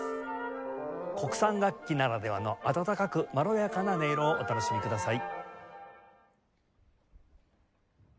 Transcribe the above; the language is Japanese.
国産楽器ならではの温かくまろやかな音色をお楽しみください。